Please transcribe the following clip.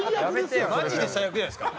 マジで最悪じゃないですか？